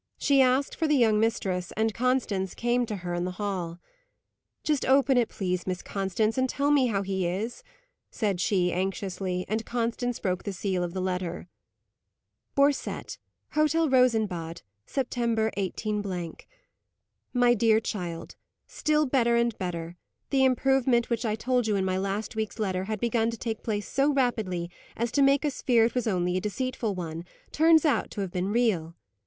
She asked for the young mistress, and Constance came to her in the hall. "Just open it, please, Miss Constance, and tell me how he is," said she anxiously; and Constance broke the seal of the letter. "_Borcette. Hotel Rosenbad, September, 18 _." "My Dear Child, Still better and better! The improvement, which I told you in my last week's letter had begun to take place so rapidly as to make us fear it was only a deceitful one, turns out to have been real.